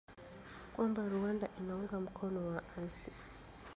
kwamba Rwanda inaunga mkono waasi